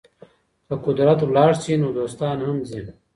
که قدرت ولاړ سي نو دوستان هم ځي.